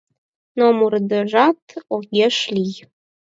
Но мурыдежат огеш лий.